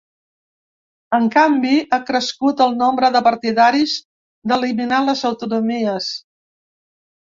En canvi, ha crescut el nombre de partidaris d’eliminar les autonomies.